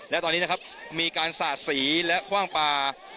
และตอนนี้นะครับมีการสาดสีและคว่างปลา